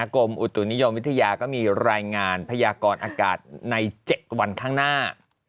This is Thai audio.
กรมอุตุนิยมวิทยาก็มีรายงานพยากรอากาศใน๗วันข้างหน้า